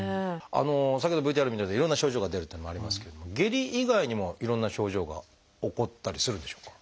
先ほどＶＴＲで見たようないろんな症状が出るというのもありますけれども下痢以外にもいろんな症状が起こったりするんでしょうか？